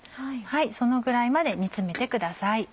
そのぐらいまで煮詰めてください。